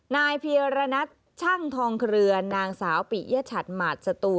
นายเพียรณัชช่างทองเครือนางสาวปิยชัดหมาดสตู